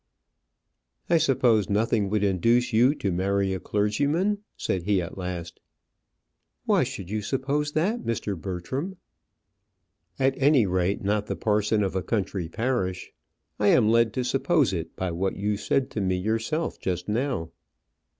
"I suppose nothing would induce you to marry a clergyman?" said he at last. "Why should you suppose that, Mr. Bertram?" "At any rate, not the parson of a country parish. I am led to suppose it by what you said to me yourself just now."